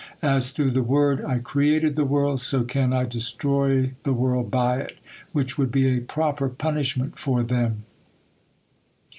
As through the word I created the world, so can I destroy the world by it, which would be a proper punishment for them.